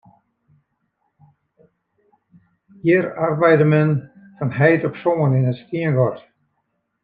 Hjir arbeide men fan heit op soan yn it stiengat.